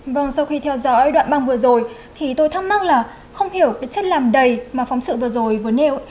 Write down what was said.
vì theo dõi đoạn băng vừa rồi thì tôi thắc mắc là không hiểu chất làm đầy mà phóng sự vừa rồi vừa nêu